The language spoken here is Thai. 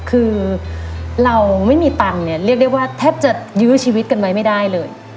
คือเราไม่มีตังค์เนี่ยเรียกได้ว่าแทบจะยื้อชีวิตกันไว้ไม่ได้เลย